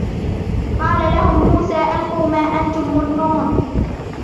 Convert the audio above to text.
قَالَ لَهُمْ مُوسَى أَلْقُوا مَا أَنْتُمْ مُلْقُونَ